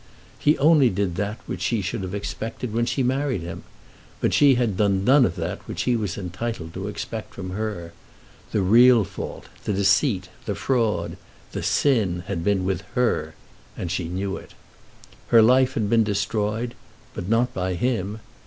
He only did that which she should have expected when she married him; but she had done none of that which he was entitled to expect from her. The real fault, the deceit, the fraud, the sin had been with her, and she knew it. Her life had been destroyed, but not by him.